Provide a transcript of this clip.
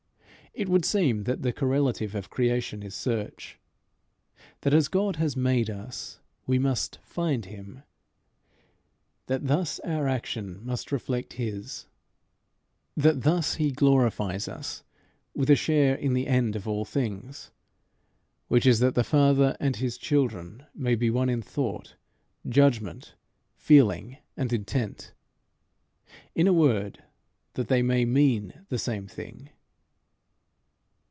It would seem that the correlative of creation is search; that as God has made us, we must find him; that thus our action must reflect his; that thus he glorifies us with a share in the end of all things, which is that the Father and his children may be one in thought, judgment, feeling, and intent, in a word, that they may mean the same thing.